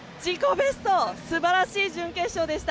ベスト素晴らしい準決勝でした。